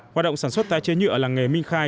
hoạt động sản xuất tái chế nhựa làng nghề minh khai